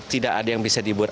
tidak ada yang bisa dibuat